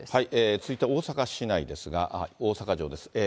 続いて大阪市内ですが、大阪城です。